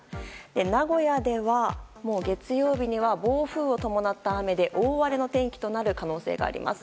名古屋では月曜日には暴風を伴った雨で大荒れの天気となる可能性があります。